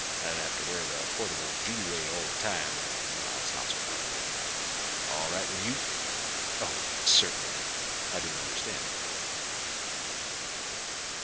I'd have to wear the portable G ray all the time, and that's not so comfortable. All right with you?" "Oh, certainly. I didn't understand."